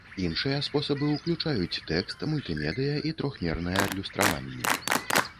Іншыя спосабы ўключаюць тэкст, мультымедыя і трохмернае адлюстраванне.